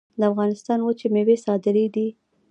د افغانستان وچې میوې صادرېدې